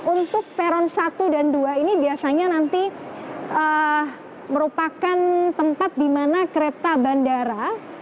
untuk peron satu dan dua ini biasanya nanti merupakan tempat di mana kereta bandara